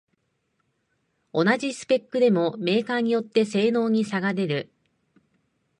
同じスペックでもメーカーによって性能に差が出る